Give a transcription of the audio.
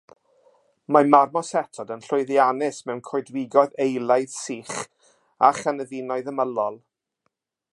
Mae marmosetod yn llwyddiannus mewn coedwigoedd eilaidd sych a chynefinoedd ymylol.